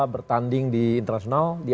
bertanding di internasional di